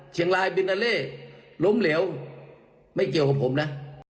เชียงรายบินนาเล่ล้มเหลวไม่เกี่ยวกับผมนะ